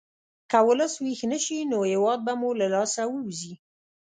که ولس ویښ نه شي، نو هېواد به مو له لاسه ووځي.